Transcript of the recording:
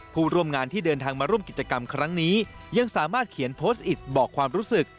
ผู้ร่วมงานที่เดินทางมาร่วมกิจกรรมครั้งนี้ยังสามารถเขียนโพสต์อิตบอกความรู้สึก